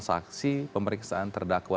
saksi pemeriksaan terdakwa